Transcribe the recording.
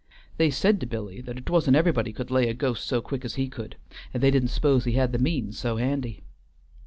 They said to Billy that't wa'n't everybody could lay a ghost so quick as he could, and they didn't 'spose he had the means so handy."